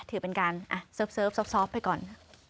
ถือเป็นการเซิร์ฟไปก่อน